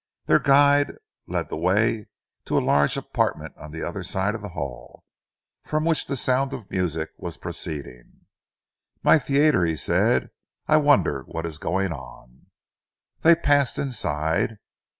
Their guide led the way to a large apartment on the other side of the hall, from which the sound of music was proceeding. "My theatre," he said. "I wonder what is going on." They passed inside.